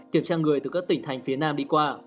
kiểm tra người từ các tỉnh thành phía nam đi qua